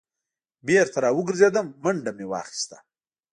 بېرته را وګرځېدم منډه مې واخیسته.